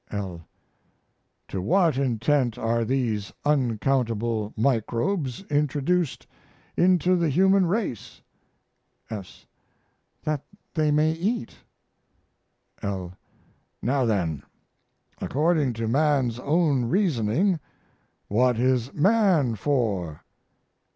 L. To what intent are these uncountable microbes introduced into the human race? S. That they may eat. L. Now then, according to man's own reasoning, what is man for?